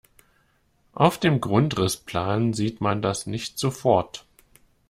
Auf dem Grundrissplan sieht man das nicht sofort.